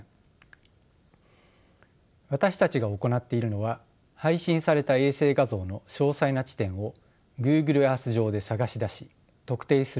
私たちが行っているのは配信された衛星画像の詳細な地点をＧｏｏｇｌｅＥａｒｔｈ上で探し出し特定することです。